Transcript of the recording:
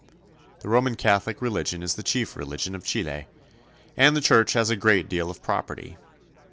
The Roman Catholic religion is the chief religion of Chile, and the church has a great deal of property.